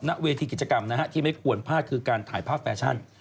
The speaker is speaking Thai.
ณเวทีกิจกรรมนะฮะที่ไม่ควรพลาดคือการถ่ายภาพแฟชั่น